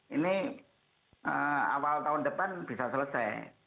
ini awal tahun depan bisa selesai